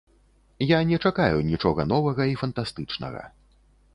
Я не чакаю нічога новага і фантастычнага.